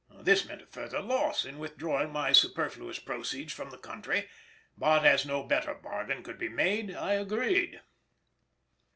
This meant a further loss in withdrawing my superfluous proceeds from the country, but as no better bargain could be made I agreed.